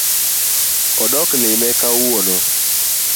Odok lime kendo kawuono